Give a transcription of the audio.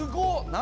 何？